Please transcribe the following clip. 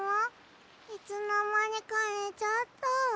いつのまにかねちゃった。